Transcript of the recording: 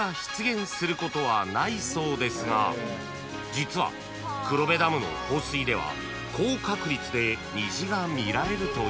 ［実は黒部ダムの放水では高確率で虹が見られるというんです］